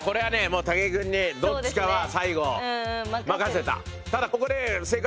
もう武井君にどっちかは最後任せた。